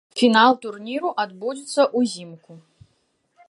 Фінал турніру адбудзецца ўзімку.